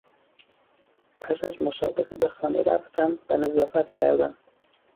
پس از مسابقه به خانه رفتم و نظافت کردم.